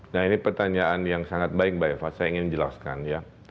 nah ini pertanyaan yang sangat baik mbak eva saya ingin jelaskan ya